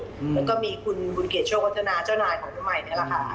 แล้วก็มีคุณบุญเกียจโชควัฒนาเจ้านายของคุณใหม่นี่แหละค่ะ